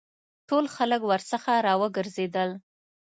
ټول خلک ورڅخه را وګرځېدل.